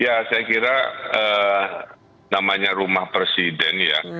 ya saya kira namanya rumah presiden ya